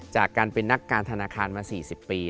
จากการเป็นนักการธนาคารมา๔๐ปี